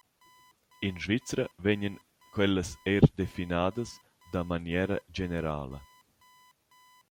In Svizra vegnan quellas eir definadas da maniera generala.